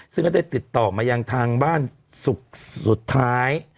ซึ่งก็ได้ติดต่อมายังทางบ้านศุกร์สุดท้าย